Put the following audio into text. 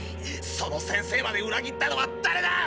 その先生まで裏切ったのはだれだ！